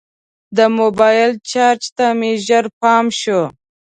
د موبایل چارجر ته مې ژر پام شو.